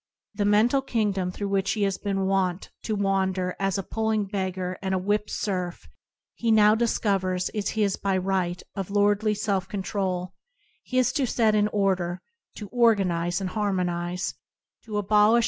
The mental kingdom through which he has been wont to wander as a puling beggar and a whipped serf, he now discovers is his by right of lordly self con trol — his to set in order, to organize and harmonize, to abolish.